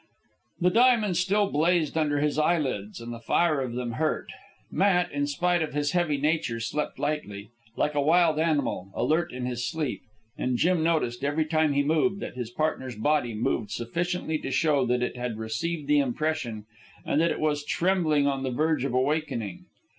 The diamonds still blazed under his eyelids, and the fire of them hurt. Matt, in spite of his heavy nature, slept lightly, like a wild animal alert in its sleep; and Jim noticed, every time he moved, that his partner's body moved sufficiently to show that it had received the impression and that it was trembling on the verge of awakening.